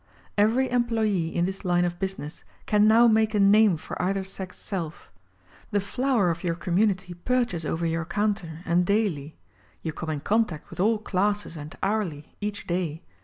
Every employee in this line of business can novv^ make a name for either sex self. The flower of your community purchase over j^our counter and daily. You come in contact with all classes and hourly, each day.